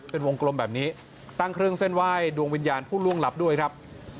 เป็นวงกลมแบบนี้ตั้งเครื่องเส้นไหว้ดวงวิญญาณผู้ล่วงลับด้วยครับ